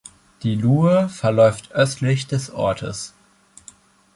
Die Luhe verläuft östlich des Ortes.